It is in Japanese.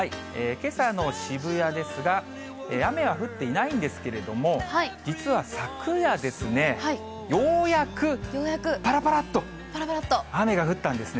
けさの渋谷ですが、雨は降っていないんですけれども、実は昨夜ですね、ようやくぱらぱらっと雨が降ったんですね。